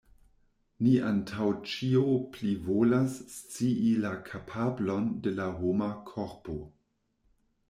Ni antaŭ ĉio plivolas scii la kapablon de la homa korpo.